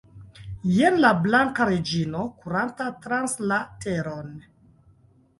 Jen la Blanka Reĝino kuranta trans la teron!